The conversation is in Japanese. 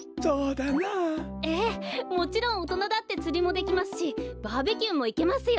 ええもちろんおとなだってつりもできますしバーベキューもいけますよ。